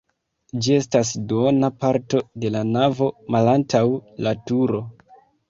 Ĝi estas duona parto de la navo malantaŭ la turo.